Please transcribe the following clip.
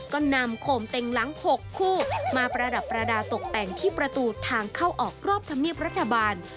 ก็นำโคมเต็งหลัง๖คู่มาประดับประดาษตกแต่งที่ประตูทางเข้าออกรอบธรรมเนียบรัฐบาล